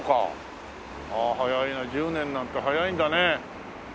ああ早いな１０年なんて早いんだね。